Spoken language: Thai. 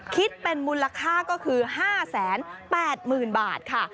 คิดเป็นมูลค่าก็คือ๕๘๐๐๐บาทค่ะ